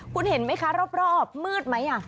คุณเห็นไหมคะรอบมืดไหม